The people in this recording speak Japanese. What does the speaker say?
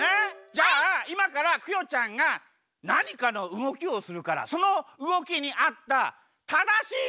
じゃあいまからクヨちゃんがなにかのうごきをするからそのうごきにあったただしいあいさつをしてみてね。